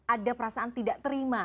ada perasaan tidak terima